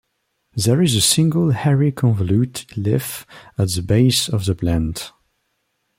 There is a single hairy convolute leaf at the base of the plant.